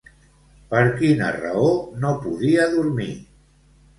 Per quina raó no podia dormir?